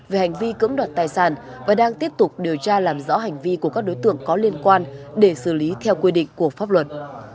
về hành vi cưỡng đoạt tài sản và đang tiếp tục điều tra làm rõ hành vi của các đối tượng có liên quan để xử lý theo quy định của pháp luật